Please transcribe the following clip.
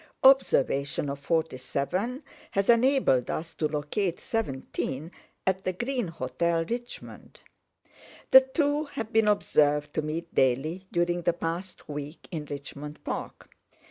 Observation of 47 has enabled us to locate 17 at the Green Hotel, Richmond. The two have been observed to meet daily during the past week in Richmond Park.